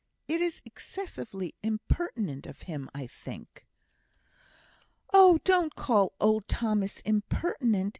It is excessively impertinent of him, I think." "Oh, don't call old Thomas impertinent.